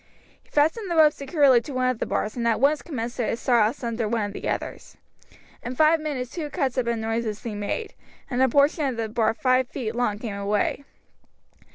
He fastened the rope securely to one of the bars and at once commenced to saw asunder one of the others. In five minutes two cuts had been noiselessly made, and a portion of the bar five feet long came away.